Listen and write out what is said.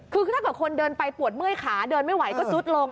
คือถ้าเกิดคนเดินไปปวดเมื่อยขาเดินไม่ไหวก็ซุดลง